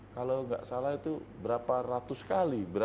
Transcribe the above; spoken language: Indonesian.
kalau nggak salah itu berapa ratus kali